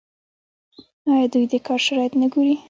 آیا دوی د کار شرایط نه ګوري؟